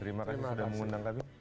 terima kasih sudah mengundang kami